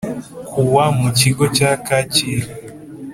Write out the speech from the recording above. Kuwa mu kigo cya kacyiru